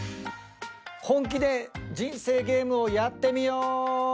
本気で人生ゲームをやってみよう！